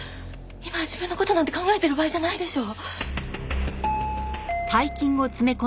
今は自分の事なんて考えてる場合じゃないでしょ。